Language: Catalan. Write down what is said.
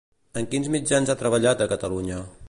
En quins mitjans ha treballat a Catalunya?